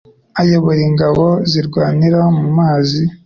ayobora ingabo zirwanira mu mazi